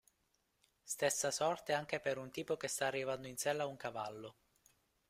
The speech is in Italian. Stessa sorte anche per un tipo che sta arrivando in sella a un cavallo.